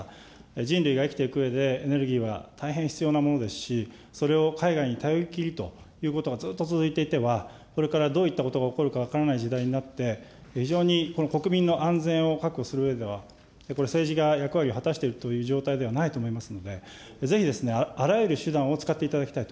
人類が生きていくうえで、エネルギーは大変必要なものですし、それを海外に頼りきりということがずっと続いていては、これからどういったことが起こるか分からない時代になって、非常に国民の安全を確保するうえでは、これ、政治が役割を果たしているという状態ではないと思いますので、ぜひですね、あらゆる手段を使っていただきたいと。